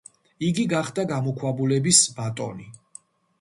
იგი გახდა გამოქვაბულების ბატონი.